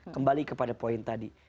kembali kepada poin tadi